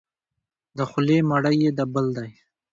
د خولې مړی یې د بل دی.